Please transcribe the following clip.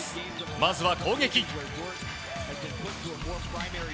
まずは攻撃。